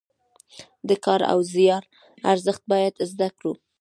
د کار او زیار ارزښت باید زده کړو.